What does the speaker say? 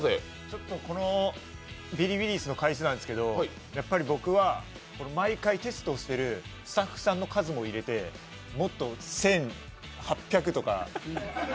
ちょっとこのビリビリ椅子の回数なんですけど、僕は毎回テストをしているスタッフさんの数も入れて、もっと１８００とか。